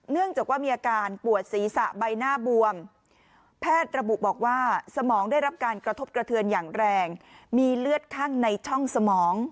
เนื่องจากว่ามีอาการปวดศีรษะใบหน้าบวมแพทย์ระบุบอกว่าสมองได้รับการกระทบกระเทือนอย่างแรงมีเลือดข้างในช่องสมอง